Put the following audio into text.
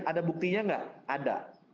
ada buktinya enggak ada